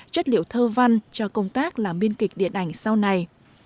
chất liệu thơ văn cho công tác làm biên kịch điện ảnh sau này